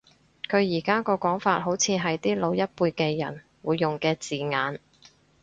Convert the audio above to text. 佢而家個講法好似係啲老一輩嘅人會用嘅字眼